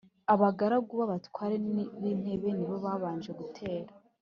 Abagaragu b’abatware b’intebe ni bo babanje gutera